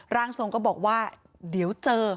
ร่างทรงก็บอกว่าเดี๋ยวเจอ